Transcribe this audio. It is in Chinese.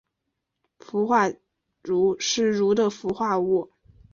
氟化铷是铷的氟化物。